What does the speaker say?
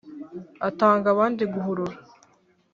atanga abandi guhurura